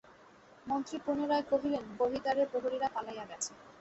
মন্ত্রী পুনরায় কহিলেন, বহির্দ্বারের প্রহরীরা পালাইয়া গেছে।